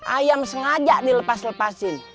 ayam sengaja dilepas lepas